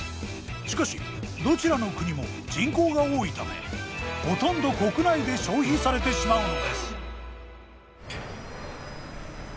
しかしどちらの国も人口が多いためほとんど国内で消費されてしまうのです。